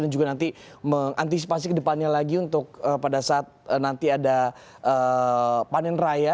dan juga nanti mengantisipasi ke depannya lagi untuk pada saat nanti ada panen raya